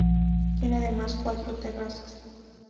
Tiene además cuatro terrazas.